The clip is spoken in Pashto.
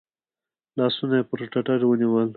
لاسونه یې پر ټتر ونیول .